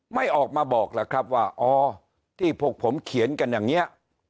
ไม่ออกมาบอกหรอกครับว่าอ๋อที่พวกผมเขียนกันอย่างนี้